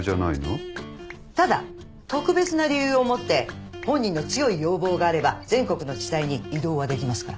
ただ特別な理由をもって本人の強い要望があれば全国の地裁に異動はできますから。